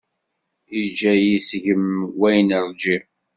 Yeǧǧa-yi seg-m wayen ṛǧiɣ.